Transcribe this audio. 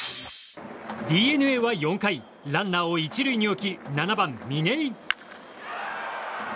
ＤｅＮＡは４回ランナーを１塁に置き７番、嶺井。